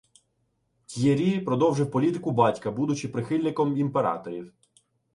Т’єрі продовжив політику батька, будучи прихильником імператорів.